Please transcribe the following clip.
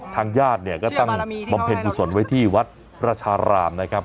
ทางญาติเนี่ยก็ตั้งมอมเผ็ดผู้สนไว้ที่วัดพระชารามนะครับ